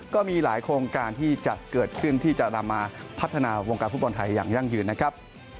ก็มีหลายโครงการที่จะเกิดขึ้นที่จะนำมาพัฒนาวงการฟุตบอลไทยอย่างยั่งยืนนะครับ